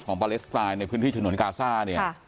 ของปเลสซ์เอทรายในพื้นธภิ์ถุยโฉนนกาสต้านิค่ะ